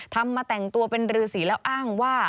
ทำมาแต่งตัวเป็นรือสีแล้วอ้างว่า